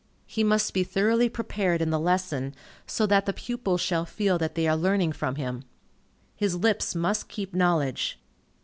He must be thoroughly prepared in the lesson, so that the pupils shall feel that they are learning from him. His lips must keep knowledge.